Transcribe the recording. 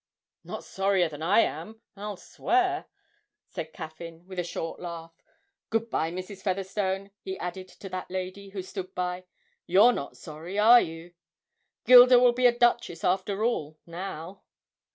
'Not sorrier than I am, I'll swear!' said Caffyn, with a short laugh. 'Good bye, Mrs. Featherstone,' he added to that lady, who stood by. 'You're not sorry, are you? Gilda will be a duchess after all now!'